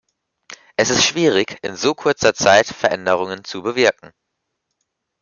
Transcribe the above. Es ist schwierig, in so kurzer Zeit Veränderungen zu bewirken.